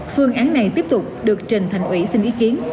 phương án này tiếp tục được trình thành ủy xin ý kiến